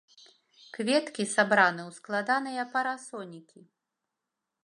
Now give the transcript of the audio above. Кветкі сабраны ў складаныя парасонікі.